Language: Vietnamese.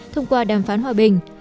thông qua đàm phán hòa bình